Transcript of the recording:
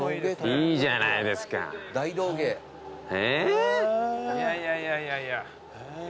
いやいやいやいいね。